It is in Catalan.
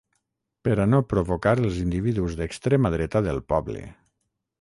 Per a no provocar els individus d'extrema dreta del poble.